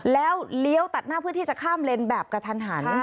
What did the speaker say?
แล้วเลี้ยวตัดหน้าเพื่อที่จะข้ามเลนแบบกระทันหัน